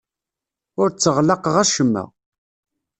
Ur tteɣlaqeɣ acemma.